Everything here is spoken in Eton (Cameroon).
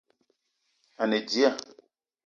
A ne dia